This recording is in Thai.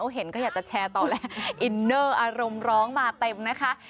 เห็นก็อยากจะแชร์ต่อแล้วอินเนอร์อารมณ์ร้องมาเต็มนะคะ